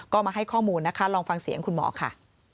ก็มาให้ข้อมูลนะคะลองฟังเสียงคุณหมอค่ะ